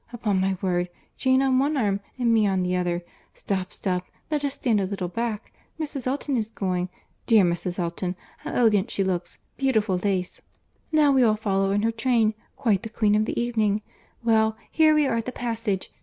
Upon my word, Jane on one arm, and me on the other!—Stop, stop, let us stand a little back, Mrs. Elton is going; dear Mrs. Elton, how elegant she looks!—Beautiful lace!—Now we all follow in her train. Quite the queen of the evening!—Well, here we are at the passage.